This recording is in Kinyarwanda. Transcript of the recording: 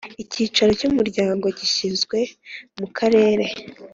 Icyicaro cy umuryango gishyizwe mu Karere